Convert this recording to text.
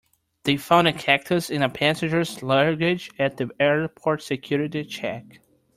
They found a cactus in a passenger's luggage at the airport's security check.